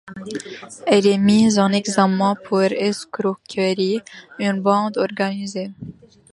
Elle est mise en examen pour escroquerie en bande organisée.